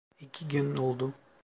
İki gün oldu.